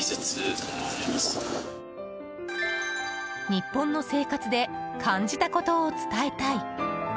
日本の生活で感じたことを伝えたい。